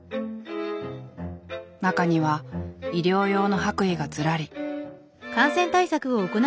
中には医療用の白衣がずらり。